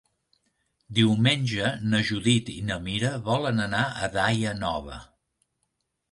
Diumenge na Judit i na Mira volen anar a Daia Nova.